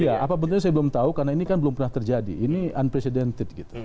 iya apa bentuknya saya belum tahu karena ini kan belum pernah terjadi ini unprecedented gitu